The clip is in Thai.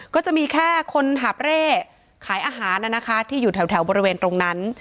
ก็จะมีแค่คนหาบเร่ขายอาหารนะคะที่อยู่แถวบริเวณตรงนั้น